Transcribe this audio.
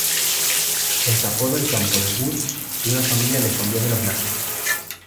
Escapó del campo de Gurs y una familia le escondió de los Nazis.